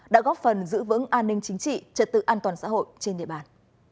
đã góp phần giữ vững an ninh chính trị trật tự an toàn xã hội trên địa bàn